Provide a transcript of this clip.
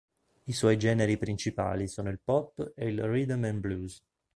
I suoi generi principali sono il pop e il rhythm and blues.